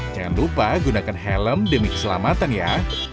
jangan lupa gunakan helm demi keselamatan ya